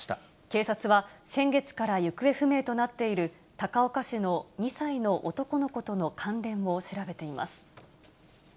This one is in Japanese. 警察は先月から行方不明となっている、高岡市の２歳の男の子との関連を調べています。